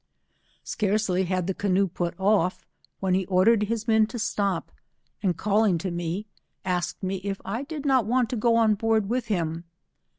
Scarcely had the canoe put off, when he ordered his men to stop, and calling to me, asked me if I did not want to go on board with him.